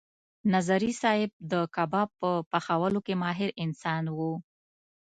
نظري صیب د کباب په پخولو کې ماهر انسان و.